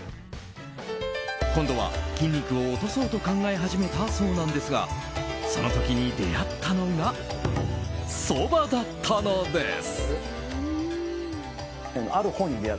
今度は筋肉を落とそうと考え始めたそうなんですがその時に出会ったのがそばだったのです！